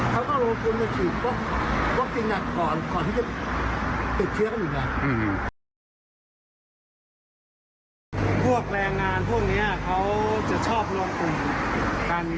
เขาจะชอบรวมกลุ่มกัน